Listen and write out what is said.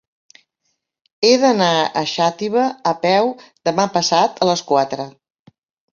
He d'anar a Xàtiva a peu demà passat a les quatre.